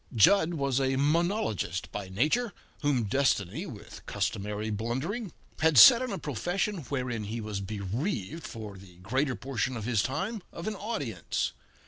Jud was a monologist by nature, whom Destiny, with customary blundering, had set in a profession wherein he was bereaved, for the greater portion of his time, of an audience.